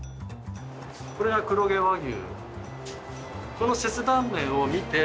これが黒毛和牛。